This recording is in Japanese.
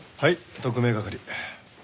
特命係。